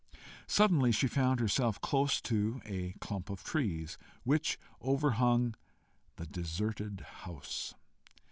Suddenly she found herself close to a clump of trees, which overhung the deserted house.